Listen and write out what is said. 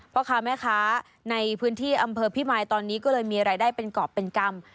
พ่อค้าแม่ค้าในพื้นที่อำเภอพิมายตอนนี้ก็เลยมีรายได้เป็นกรอบเป็นกรรม